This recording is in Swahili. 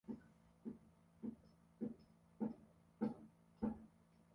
uchunguzi wao ulilenga zaidi kuandika mambo mengi kuhusu karne ya ishirini